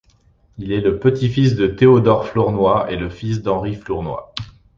Il est le petit fils de Théodore Flournoy et le fils d'Henri Flournoy.